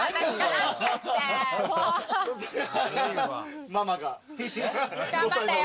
頑張ったよ。